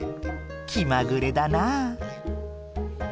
気まぐれだなぁ。